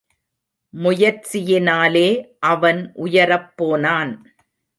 முயற்சியினாலே அவன் உயரப் போனான்.